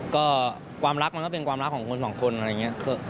ก็ความรักมันก็เป็นความรักของคนสองคนอะไรอย่างนี้